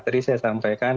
tadi saya sampaikan